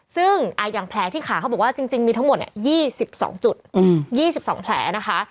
ซึ่งอย่างแผลที่ขาเขาบอกว่าจริงมีทั้งหมด๒๒จุด๒๒แผลนะคะ